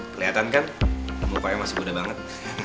keliatan kan bukannya masih muda banget